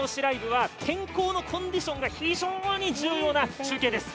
ＬＩＶＥ」は天候のコンディションが非常に重要な中継です。